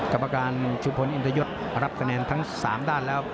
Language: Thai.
กรรพาการชุภนินตยศรับแสดงทั้ง๓ด้านแล้ว